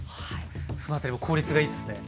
そのあたりも効率がいいですね。